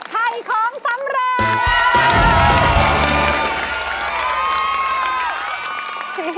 ไทยของสำเร็จ